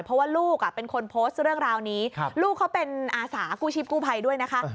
เพราะว่าลูกเป็นคนโพสต์เรื่องราวนี้ลูกเขาเป็นอาสากู้ชีพกู้ภัยด้วยนะคะ